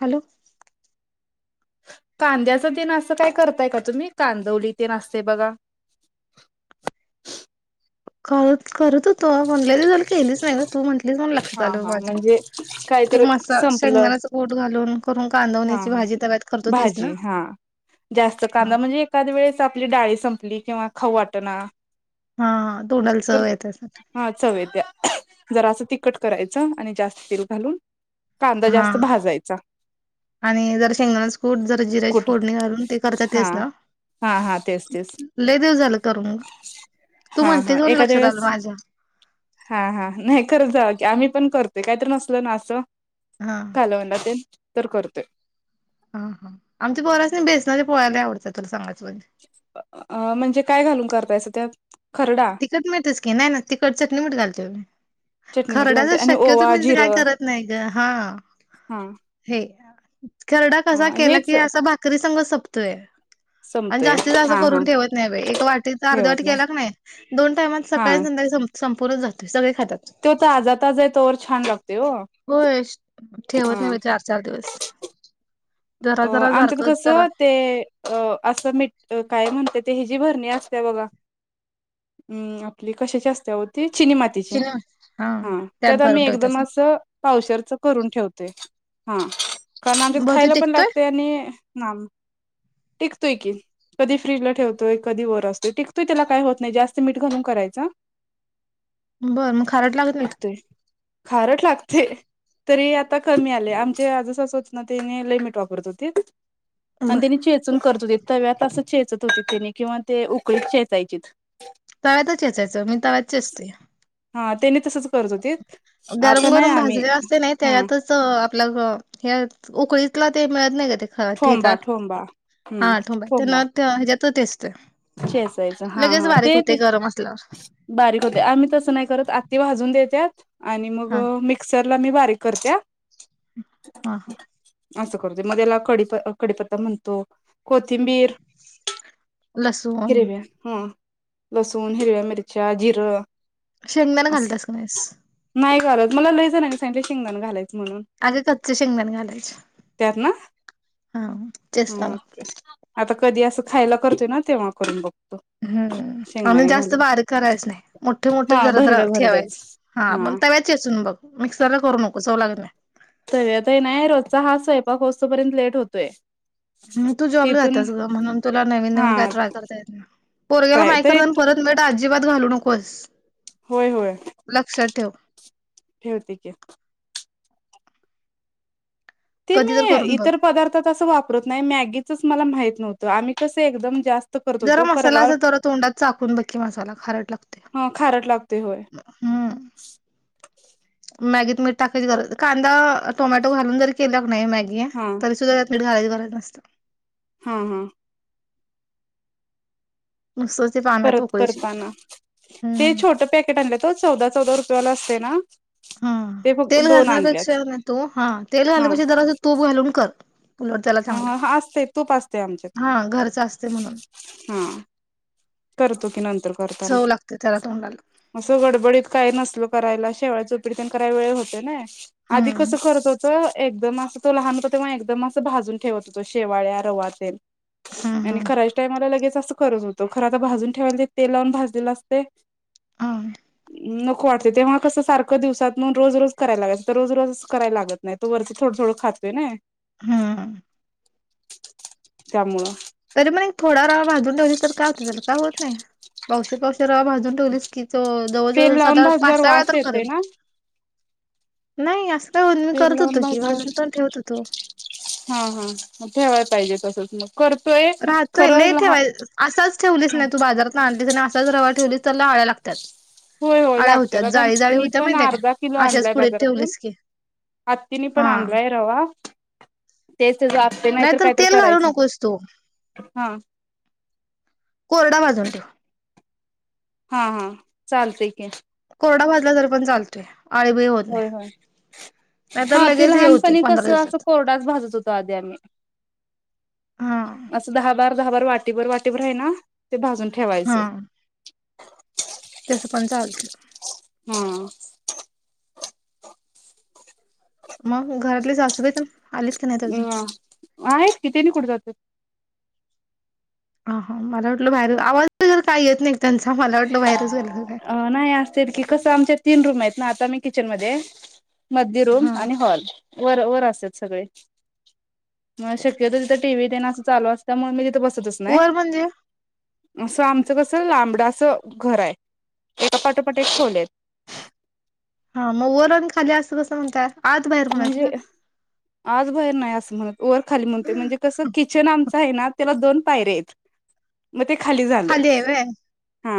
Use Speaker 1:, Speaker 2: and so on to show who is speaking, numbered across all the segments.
Speaker 1: Hello
Speaker 2: कांद्याचं तेन असं काय करताय का तुम्ही कांदवली तेन असते बघा
Speaker 1: करत करत होत म्हणले झा केलीच नाही तू म्हटलीच म्हण लक्षात
Speaker 2: हा
Speaker 1: आलं
Speaker 2: हा
Speaker 1: माझं
Speaker 2: म्हणजे
Speaker 1: ते
Speaker 2: काहीतरी
Speaker 1: म
Speaker 2: संपलं
Speaker 1: शेंगच ठ घालून करून
Speaker 2: हा
Speaker 1: बांधवण्याची
Speaker 2: हा
Speaker 1: भाजी तब्यात करत होतीस
Speaker 2: भाजी
Speaker 1: ना
Speaker 2: हा. जास्त कांदा म्हणजे एखाद वेळेस आपली डाळी संपली किंवा खाऊ वाटना
Speaker 1: हा तोंडाला
Speaker 2: तर
Speaker 1: चव येते
Speaker 2: हा चवयेत्या जर अस तिखट करायच आणि जास्त तेल घालून कांदा
Speaker 1: हा
Speaker 2: जास्त भाजायचा
Speaker 1: आणि जर शेंगणाच कूट जर जिऱ्याची
Speaker 2: कुठ
Speaker 1: फोडणी घालून ते करता
Speaker 2: हा
Speaker 1: तेस ना
Speaker 2: हा हा तेच तेच
Speaker 1: ले देव झालं करू तू
Speaker 2: हा
Speaker 1: म्हणते
Speaker 2: हा
Speaker 1: जाऊन
Speaker 2: एखाद्या
Speaker 1: लक्षात आलं
Speaker 2: वेळेस
Speaker 1: माझ्या
Speaker 2: हा हा नाही खरं जा आम्ही पण करतोय काहीतरी नसल ना असं
Speaker 1: हा
Speaker 2: कालवनाात तर करतोय
Speaker 1: हा हा आमचा बरच नाही बेसना पोळायला आवडतात तुला सांग
Speaker 2: अ म्हणजे काय घालून करतायच त्या
Speaker 1: तिखट मिठच की नाही ना तीखट चटणी मीठ घालते
Speaker 2: चटमीठ घालते
Speaker 1: खरडाचच
Speaker 2: आणि
Speaker 1: शक्य
Speaker 2: ओवा
Speaker 1: तुम्ही काय
Speaker 2: जिरं
Speaker 1: करत नाही ग हा
Speaker 2: हा
Speaker 1: हे खरडा कसा
Speaker 2: हा
Speaker 1: केला की
Speaker 2: हेच
Speaker 1: असा भाकरी संग सोपतोय आणि
Speaker 2: संपतोय
Speaker 1: जास्तीत जास्त
Speaker 2: हा हा
Speaker 1: करून ठेवत नाही बा एक वाटी अर्ध वाट केला क नाही दोन टामात
Speaker 2: हा
Speaker 1: सकाळी संध्याळी संपूरच जातोय सगळे खातात
Speaker 2: तो तर आजा ताज तोर छान लागत हो
Speaker 1: होय ठेवत नाही मी चार चार दिवस जरा
Speaker 2: अ
Speaker 1: जरा
Speaker 2: आमच्यात
Speaker 1: सारखं जरा
Speaker 2: कसं ते असं काय म्हणत ते हजी भरणी असते बघा अम् आपली कशाची असते्या होती चिनी मातीचे
Speaker 1: चिनी
Speaker 2: हा त्यात आम्ही एकदम अस पावसरच करून ठेवतोय हा कारण आमच्यात
Speaker 1: बर ते
Speaker 2: खायला पण
Speaker 1: टिकतोय
Speaker 2: लागतय आणि ना टिकतोय की कधी फ्रीजला ठेवतोय कधी वर असतोय टिककतोय त्याला काय होत नाही जास्त मीठ घालून करायचं
Speaker 1: बर मग खारट लागत नाही
Speaker 2: खारट लागते तरी आता कमी आले आमचे आजसत ना त्यांने लई मीठ वापर
Speaker 1: नाही
Speaker 2: आणि
Speaker 1: बर
Speaker 2: त्या चेूनन कर हो तव्यात चे त्यांनी किंवा ते उकळीत चेचायचीत
Speaker 1: तव्यातच चेयाचं मी तव्यात चेचतोया
Speaker 2: हा त्याने तसच करत होते
Speaker 1: गरम
Speaker 2: आता नाही
Speaker 1: गरम
Speaker 2: आम्ही
Speaker 1: भाजले असते नाही
Speaker 2: हा
Speaker 1: त्यातच आपल्या उकळीतला ते मिळत नाही का ते खचा
Speaker 2: ठोंबा ठोंबा हम्म
Speaker 1: हा आठबा त्यांना हच्यात तो तेचत
Speaker 2: चेचायच हा हा ते ते
Speaker 1: असल्यावर.
Speaker 2: बारीक होते आम्ही तसं नाही करत आती भाजून देत्यात आणि मग
Speaker 1: हा
Speaker 2: मिक्सरला मी बारीक करते
Speaker 1: हा, हा
Speaker 2: असं करते मग याला क कडीपत्ता म्हणतो कोथिंबीर
Speaker 1: [unintelligible]
Speaker 2: हिरव्या हा लसूण हिरव्या मिरच्या जिरं
Speaker 1: शेंगदा्याना
Speaker 2: असं
Speaker 1: घालतस का नाहीस
Speaker 2: नाही घालत मला लय जा नाही सांट शिंगदाण घालायच म्हणून
Speaker 1: अग कच्चे शेंगदाण घालायचे.
Speaker 2: त्यात ना
Speaker 1: हा
Speaker 2: हम
Speaker 1: चेस्ताला.
Speaker 2: आता कधी असं खायला करतोय ना तेव्हा करून बघ
Speaker 1: हम् आणि जास्त बारी करायच नाही मोठे मोठे
Speaker 2: हा
Speaker 1: जराद
Speaker 2: भरड भरडच
Speaker 1: ठेवायच हा पण तव्यावर चेचून बघ मिक्सरला करू नको चव लागत नाही
Speaker 2: रोजचा हा स्वयपाक होऊस तोपर्यंत लेट होतोय
Speaker 1: ह तू जॉबला
Speaker 2: तिथून
Speaker 1: जातस ग म्हणून तुला नवीन
Speaker 2: हा
Speaker 1: नवीन काय ट्राय करता येत नाही पोरग्याला
Speaker 2: ट्राय
Speaker 1: माहित
Speaker 2: तरी
Speaker 1: करून परत नेट अजिबात घालवू नकोस
Speaker 2: होय होय
Speaker 1: परत लक्षात ठेव
Speaker 2: ठेवते की ते मी
Speaker 1: कधी तर करून बघ
Speaker 2: इतर पदार्थतच वापरत नाही मॅगीतच मला माहित नव्हतं आम्ही कसं एकदम जास्त करत
Speaker 1: जरा
Speaker 2: होतो
Speaker 1: मसाला
Speaker 2: परवा
Speaker 1: असं जरा तोंडात चाकून बघ की मसाला खारट लागतोय
Speaker 2: ह खारट लागते होय
Speaker 1: हम्म मॅगीत मीठ टाकायची गरज कांदा टोमॅटो घालून जरी केलं की नाही मॅगी
Speaker 2: हा
Speaker 1: तरी सुद्धा त्यात मीठ घालायची गरज नसते
Speaker 2: हा, हा
Speaker 1: नुसतच ते पाण्यात
Speaker 2: परत
Speaker 1: उकळीची
Speaker 2: करताना ते
Speaker 1: हम्म
Speaker 2: छोट पॅकेट आणल्यात ओ ते चौदा चौदा रुपयावाल असतय ना
Speaker 1: हा
Speaker 2: ते फक्त
Speaker 1: तेल
Speaker 2: दोन
Speaker 1: घालण्यापेक्षा
Speaker 2: आणल्याच
Speaker 1: नाही तू हा तेल घालण्यापेक्षा जरासं तु तूप घालून कर उलट त्याला चांगलं
Speaker 2: हा ह असतय तूप असतय
Speaker 1: हा घरच असते म्हणून
Speaker 2: आमच्यात हा करतो की नंतर करताना
Speaker 1: चव लागते त्याला तोंडाला
Speaker 2: अस गडबडीत काय नसल करायला शेवाळ्याचा उपीट तेन करायला वेळ होतोय ना आधी
Speaker 1: हम्म
Speaker 2: कसं करत होतो. एकदम असं तो लहान होता तेव्हा एकदम असं भाजून ठेवत होतो शेवाळ्या रवा तेन
Speaker 1: हम्म
Speaker 2: आणि
Speaker 1: हम्म
Speaker 2: करायच्या टाइमाला लगेच असं करत होतो खरं तर भाजून ठेवायला तेल लावून भाजलेलं असतय
Speaker 1: हम्म
Speaker 2: नको वाटतय तेव्हा कसं सारख दिवसातून रोज रोज कराला लागयच तर रोज कर खातोय नय
Speaker 1: हा
Speaker 2: त्यामुळं
Speaker 1: तरी पण एक थोडा रवा भाजून ठेवलीस तर काय होतय त्याला काय होत नाही पावशेर पावशेर रवा भाजून ठेवलीस की तो जवळ जवळ
Speaker 2: तेल लावून
Speaker 1: साधारण पाच
Speaker 2: भाजल्यावर
Speaker 1: सहा वेळा
Speaker 2: वास
Speaker 1: तर
Speaker 2: येते
Speaker 1: करल
Speaker 2: ना
Speaker 1: नाही असं काय [unintelligible]
Speaker 2: तेल
Speaker 1: करत
Speaker 2: लावून
Speaker 1: होतो की
Speaker 2: भाजल्यावर
Speaker 1: भाजून पण ठेवत होतो
Speaker 2: हा हा मग ठेवायला पाहिजे तसंच
Speaker 1: राहतोय लय ठेवाय असाच ठेवलीस नाही तू बाजारातून आणलीस तसाच रवा ठेवलीस त्याला आळ्या लागत्यात
Speaker 2: होय होय
Speaker 1: आळ्या होत्या
Speaker 2: लागतात आता
Speaker 1: जाळी जाळी
Speaker 2: मी
Speaker 1: होत्या
Speaker 2: पण
Speaker 1: माहिती आहे काय अशाच पुडित ठेवलीस की
Speaker 2: हत्तींनी पण
Speaker 1: हा
Speaker 2: आणलाय रवा तेच त्याच आप्पे नाहीतर काहीतरी
Speaker 1: तेल घालू नकोस तू
Speaker 2: करायचं हा
Speaker 1: कोरडा भाजून ठेव
Speaker 2: हा हा चालतंय की
Speaker 1: कोरडा भाजला तरी पण चालतोय आळीबीळी होत नाही
Speaker 2: होय होय
Speaker 1: नाहीतर
Speaker 2: हा ते
Speaker 1: लगेच हे होते
Speaker 2: लहानपणी
Speaker 1: पंधरा
Speaker 2: कस असं
Speaker 1: दिवसात
Speaker 2: कोरडाच भाजत होतो आधी आम्ही
Speaker 1: हा
Speaker 2: असं दहा बार दहाभर वाटीभर वाटीभर आहे ना ते भाजून
Speaker 1: हा
Speaker 2: ठेवायचं
Speaker 1: ं पण चालत
Speaker 2: हम्म
Speaker 1: मग घरातली सासूबाई तेन आलीत की नाहीत अजून
Speaker 2: हम आहेत की तिनी कुठे जातात
Speaker 1: हा हा मला वाटलं बाहेर आवाबिवाज काही येत नाही त्यांचा मला वाटल
Speaker 2: अ नाही असतात की कसं आमच्या तीन रूम आहेत ना आता मी किचन मध्ये मधली रूम
Speaker 1: हा
Speaker 2: आणि हॉल वर वर असत्यात सगळे म शक्यतो तिथं टी व्ही तेन असं चालू असंतय त्यामुळे मी तिथे बसत
Speaker 1: वर म्हणजे
Speaker 2: असं आमचं कसं लांबडा असं घर आहे एका पाठोपाठ एक खोल्या आहेत
Speaker 1: हा मग वर आनी, खाली अस कसं म्हणताय. आत बाहेर म्हणायचं
Speaker 2: म्हणजे,,
Speaker 1: ना
Speaker 2: आज बाहेर नाही अस म्हणत,, वर, खाली म्हणतोय, म्हणजे कसं किचन आमऽऽ आहे ना त्याला दोन पायर्या आयतं मग ते खाली झालं,,, हा,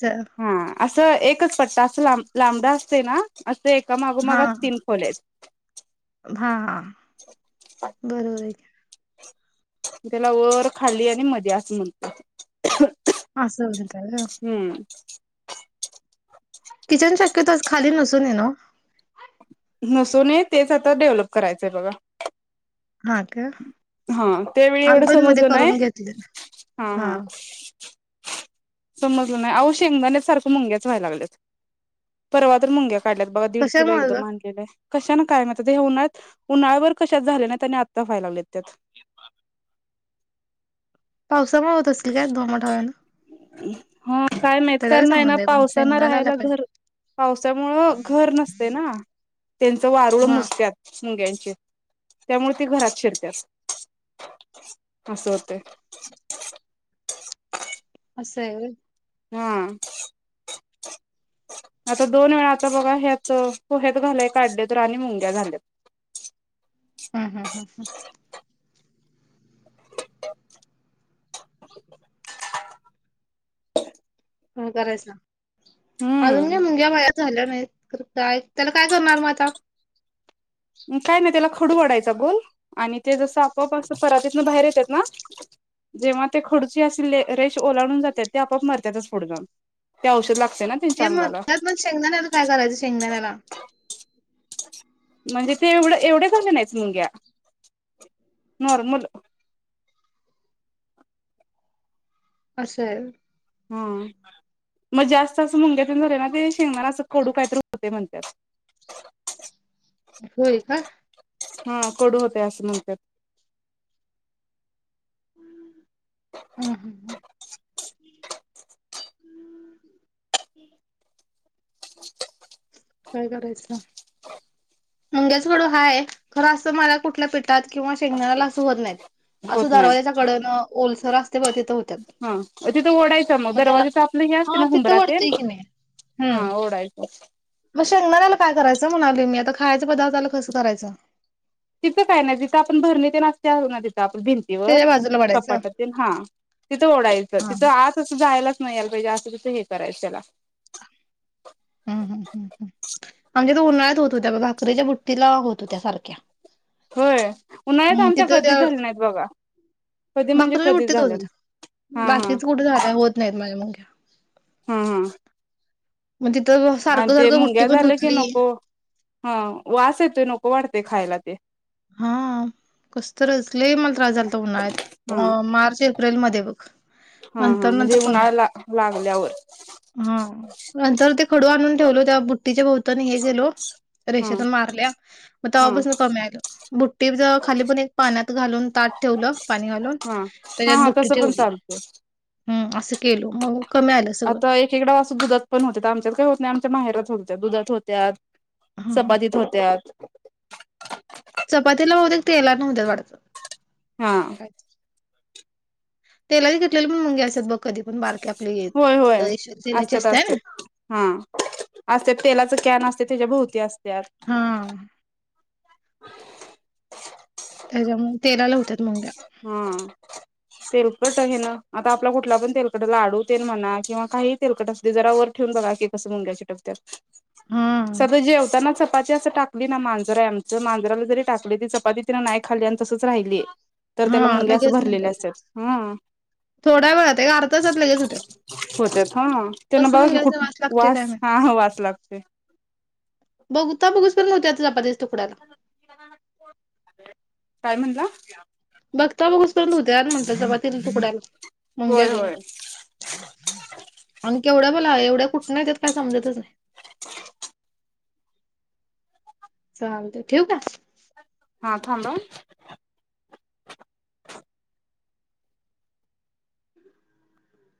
Speaker 1: अ
Speaker 2: हा असं एकच पट्टा असं, लांब लांबडा असतय ना असं एका मागोमाग
Speaker 1: हा
Speaker 2: असं तीन खोल्या आइत
Speaker 1: हा,, बरोबर आय कीऽऽ
Speaker 2: म त्याला वर खाली आणि मध्ये असं म्हणतोय
Speaker 1: ह किचन शक्यतो असं खाली नसू नये ना ओ
Speaker 2: नसून नये तेच आता डेव्हलप करायचंय बघा.
Speaker 1: हा का
Speaker 2: हा त्यावेेळी एवढं
Speaker 1: आम्ही पण मध्ये
Speaker 2: समजलं नाइ
Speaker 1: करून घेतले
Speaker 2: हा, हा समजलं नाही,, आओ शेंगदाणेत सारखं मुंग्याच व्हाय लागल्यात,, परवा तर मुंग्याऽऽ काढल्यात बघा दीड किलो
Speaker 1: कशामुळे ग
Speaker 2: एकदम आणलेलं आय कशाने काय म्हत उन्हाळ्या उन्हा्यावर कशाात झाल्या नाही त्याने आत्ता फायला लागले त्यात [unintelligible]
Speaker 1: पावसामुळे होत असतील काय,, दमट हवेनं.
Speaker 2: हा, काय माहित
Speaker 1: त्याला
Speaker 2: कार
Speaker 1: काय
Speaker 2: नाही ना
Speaker 1: संबंध आहे पण
Speaker 2: पावसाना
Speaker 1: शेंगदाण्याला
Speaker 2: राहायला
Speaker 1: काय
Speaker 2: घरऽऽ पावसामुळं घर नसतत ना,, त्यांचं वारूळ
Speaker 1: हा
Speaker 2: मुजत्यात मुंग्यांची,, त्यामुळे ती घरात शिरत्यात अस होतय
Speaker 1: असं आह वय
Speaker 2: हां, आता दोन वेळा, आता बघा ह्याच पोह्यात घालय काढलेय तर आणि मुंग्या झाल्यात. [unintelligible]
Speaker 1: हम् हम् हम् हम
Speaker 2: [unintelligible] [inaudible]
Speaker 1: ह करायचा,, अजून
Speaker 2: हम्म
Speaker 1: काय मुणग्या माय झाल्या नाहीत तर काय त्याला काय करणार म आता.
Speaker 2: काय नाही त्याला खडू वाडायचा गोल,, आणि ते जसं आपोआप असं परातीतन बाहेर येतात नाऽऽ जेव्हा ते खडूची अशी रेश ओलाडून जातात ते आपोआप मरतातच पुढं जाऊन ते औषध लागऽऽ तर ना त्यांच्या
Speaker 1: ते
Speaker 2: अंगाला.
Speaker 1: मरतात पण शेंगदाण्याला काय करायचं शेंगदाण्याला
Speaker 2: म्हणजे ते एवढ एवढ्याच नाहीच मुंग्या,, नॉर्मल
Speaker 1: असंय
Speaker 2: हाम, मग जास्त असं मुंग्या तन झालं ना,, ते शेंगदाण अस कडू काहीतरी होतेय म्हणतात [unintelligible]
Speaker 1: होय का.
Speaker 2: हा कडू होतेय असं म्हणत्यात
Speaker 1: हम हा ह हम्म काय करायचं मुंग्याचा खडू हाय,, खरं असं मला कुठल्या पिठात किंवा शेंगदाण्याला असं होत नाहीत. असं
Speaker 2: होत नाहीत
Speaker 1: दरवाज्याच्या कडन,, ओलसर असतऽऽ
Speaker 2: हा, तिथं ओढायचं मग,, दरवाजेच आपलं हे असते
Speaker 1: हा
Speaker 2: ना
Speaker 1: तिथं
Speaker 2: हुंबरा
Speaker 1: वाढतंय
Speaker 2: तनऽऽ
Speaker 1: की नाही हम्म.
Speaker 2: हा ओडायच
Speaker 1: मग शेंगदाण्याला काय करायचं म्हणालोय मी,, आता खायच्या पदार्थाला कसं करायचंऽ
Speaker 2: तिथं काय नाय,, जिथं आपण भरणी तन आसत्याऽऽ आप भिंतीवर,
Speaker 1: त्याच्या बाजूला वाढायचं.
Speaker 2: कपाटात, तन, हा,, तिथं ओढायचं
Speaker 1: हा
Speaker 2: तिथं आत असं जायलाऽऽ नाही याला पाहिजे असं तस हे करायचं त्याला
Speaker 1: हम् हम ह आमच्यात उन्हाळ्यात होत होता बगा भाकरीेच्या बुट तिला होत होत्या सारख्या
Speaker 2: होय उन्हाळ्यात आमच्या कधीच झाले नाहीत बघा कधी म्हणजे
Speaker 1: भाकरीची
Speaker 2: कधीच
Speaker 1: बुटी
Speaker 2: झालं
Speaker 1: ठेव
Speaker 2: नाही
Speaker 1: इथ
Speaker 2: हा हा
Speaker 1: बाकीच कुठ जागा होत नाहीत मांडून ठेव
Speaker 2: हम्म हम
Speaker 1: तिथं
Speaker 2: आणि
Speaker 1: सारखं
Speaker 2: ते
Speaker 1: सारखं बुट्टी
Speaker 2: मुंग्या
Speaker 1: पण
Speaker 2: झालं की
Speaker 1: धुतली
Speaker 2: नको हा वास येतोय नको वाटतय खायला ते.
Speaker 1: हा कस तरच लेई मला त्रास झालता उन्हाळ्यात
Speaker 2: हा
Speaker 1: मार्च एप्रिलमध्ये ब
Speaker 2: हा हा म्हणजे उन्हाळा लाग लागल्याव
Speaker 1: हा नंतर ते खडू आणून ठेवलो त्या बुट्टीच्या भवतनी हे गेलो
Speaker 2: हा
Speaker 1: रेषा दोन मारल्या मग
Speaker 2: हा
Speaker 1: तवापासान कमी आल. टीप जवळ खाली पण एक पाण्यात घालून तााट ठेवलं पाणी घालून
Speaker 2: हा हा
Speaker 1: त्याच्यात
Speaker 2: हा
Speaker 1: बुट्टी
Speaker 2: तसं पण
Speaker 1: ठेवली.
Speaker 2: चालतंय
Speaker 1: हम्म असं केलो मग कमी आलं सगळं
Speaker 2: आता एकीकड अस दुधात पण होतात आमच्यात काही होत नाही आ माहेरात होत्यात दुधात होत्यात
Speaker 1: हा हा
Speaker 2: चपातीत होत्यात.
Speaker 1: चपातीला बहतेक तेलान होत्यात वाटत.
Speaker 2: हां
Speaker 1: तेलाच्या किटलीला पण मुंग्या असत्यात बग. कधी पण बारके आपले
Speaker 2: होय
Speaker 1: येत
Speaker 2: होय
Speaker 1: ईश्वर ललाचे
Speaker 2: असत्यात असत्यात हा
Speaker 1: [unintelligible]
Speaker 2: असत्यात तेलाच कॅन असतय त्याच्या भोवती असत्यात.
Speaker 1: हा त्याच्यामुळे तेलाला हुत्यात मुंग्या.
Speaker 2: हम्म तेलकट हे ना आता आपला कुठला पण तेलकट लाडू तेल म्हणा किंवा काहीही तेलकट असुदे जरा वर ठेव ठेऊन बघा की कस मुंग्या चिकटकत्यात
Speaker 1: हा
Speaker 2: साध जेवताना चपाती अस टाक मी ना मांजर आहे आमचं मांजराला जरी टाकली की चपाती तिंन नाही खाली आणि तसंच राहिली. तर
Speaker 1: हा
Speaker 2: त्याला मुंग्या अस
Speaker 1: लगेच
Speaker 2: भरलेले
Speaker 1: मुंग्या
Speaker 2: असत्यात
Speaker 1: होतात.
Speaker 2: हम्म
Speaker 1: थोड्या वेळात आहे अर्ध्या तासात लगेच होत्यात.
Speaker 2: होत्यात हम त्यांना
Speaker 1: कसं
Speaker 2: बघा की
Speaker 1: मुंग्याचा
Speaker 2: कुठ
Speaker 1: लागतोय
Speaker 2: वास हा हा वास लागतय.
Speaker 1: बघूता बघूसपर्यंत होत्यात चपातीच्या तुकड्याला.
Speaker 2: काय म्हणला?
Speaker 1: बघता बघूस पर्यंत होत्यात म्हटलं चपातीच्या तुकड्याला मुंग्या
Speaker 2: होय
Speaker 1: गं.
Speaker 2: होय. [inaudible]
Speaker 1: आणखी केवढ्या बाला एवढ्या कुठन येत्यात काय समजतच नाय. चालतय ठेवू काय?
Speaker 2: हा थांब हं.